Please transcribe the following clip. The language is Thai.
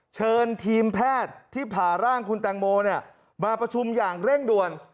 เชิญทีมแพทย์ที่ผ่าร่างคุณแตงโมมาประชุมอย่างเร่งด่วน